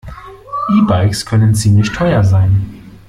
E-Bikes können ziemlich teuer sein.